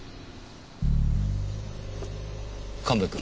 神戸君。